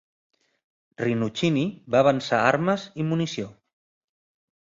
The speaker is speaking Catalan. Rinuccini va avançar armes i munició.